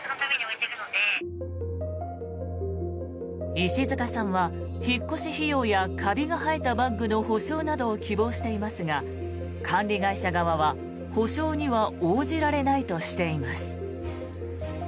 石塚さんは引っ越し費用やカビが生えたバッグなどの補償などを希望していますが管理会社側は、補償には応じられないとしています。